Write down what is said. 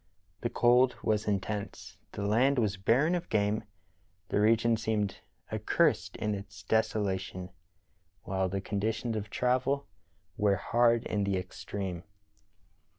The cold was intense, the land was barren of game, the region seemed accursed in its desolation, while the conditions of travel were hard in the extreme.